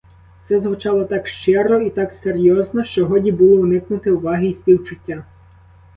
Це звучало так щиро і так серйозно, що годі було уникнути уваги й співчуття.